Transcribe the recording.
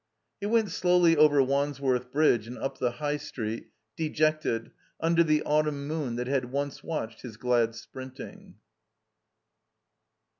He went slowly over Wandsworth Bridge and up the High Street, dejected, under the autumn moon that had once watched his glad sprinting.